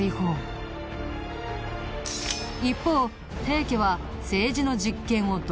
一方平家は政治の実権を独占。